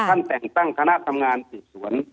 ท่านแต่งตั้งคณะทำงานสืบสวน